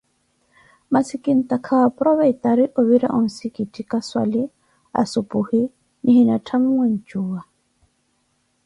masi kintaaka kaaporovetari ovira onsikitthi kaswali asuphuhi lihina tthamuwe njuwa.